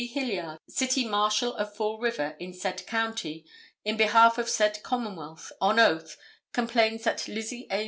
Hilliard, City Marshal of Fall River, in said county, in behalf of said Commonwealth, on oath, complains that Lizzie A.